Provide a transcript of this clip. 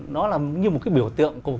nó là như một cái biểu tượng